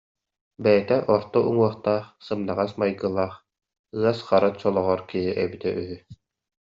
Бэйэтэ орто уҥуохтаах, сымнаҕас майгылаах, ыас хара чолоҕор киһи эбитэ үһү